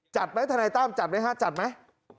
จัดไหมทนายตั้มจัดไหมฮะจัดไหม